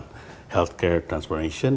ketiga adalah healthcare transformation